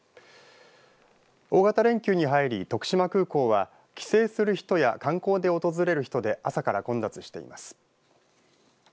大型連休に入り徳島空港は帰省する人や観光で訪れる人で朝から混雑しています。